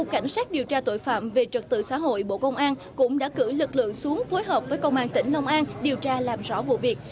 cảnh sát điều tra tội phạm về trật tự xã hội bộ công an cũng đã cử lực lượng xuống phối hợp với công an tỉnh long an điều tra làm rõ vụ việc